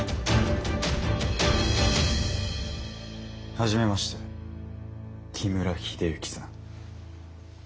初めまして木村秀幸さん。